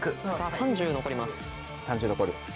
３０残る。